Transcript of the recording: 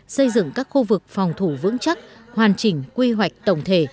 xây dựng các khu vực phòng thủ vững chắc hoàn chỉnh quy hoạch tổng thể